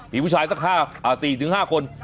มีผู้ชายสัก๔๕คน